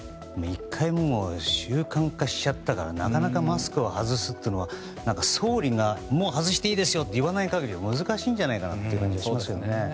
１回習慣化しちゃったからなかなかマスクを外すというのは総理がもう外していいですよと言わない限り難しい感じがしますよね。